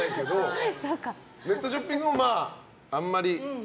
ネットショッピングもあんまり。